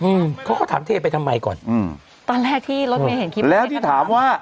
อืมเขาก็ถามเทไปทำไมก่อนอืมตอนแรกที่รถเมย์เห็นคลิปแล้วที่ถามว่า